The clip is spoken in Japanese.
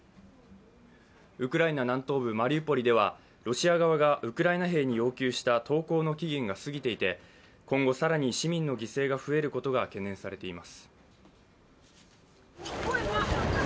ウクライナ南東部マリウポリではロシア側がウクライナ兵に要求した投降の期限が過ぎていて今後更に市民の犠牲が増えることが懸念されています。